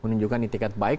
menunjukkan itiket baik